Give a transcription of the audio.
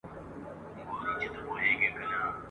قسمت درې واړه شته من په یوه آن کړل ..